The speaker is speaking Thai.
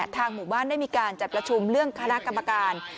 หมู่บ้านได้มีการจัดประชุมเรื่องคณะกรรมการ